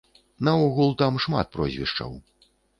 Наогул там шмат прозвішчаў.